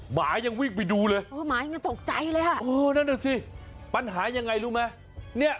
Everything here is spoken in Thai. หมายังวิ่งไปดูเลยหมายังตกใจเลยนั่นแหละสิปัญหายังไงรู้มั้ย